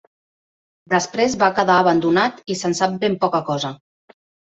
Després va quedar abandonat i se'n sap ben poca cosa.